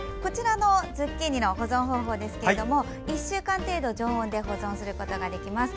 ズッキーニの保存方法ですが１週間程度常温で保存することができます。